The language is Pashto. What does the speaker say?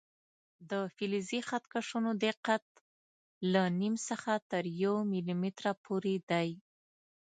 د فلزي خط کشونو دقت له نیم څخه تر یو ملي متره پورې دی.